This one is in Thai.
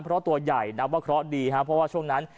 เพราะตัวใหญ่นับว่าเคราะห์ดีครับเพราะว่าช่วงนั้น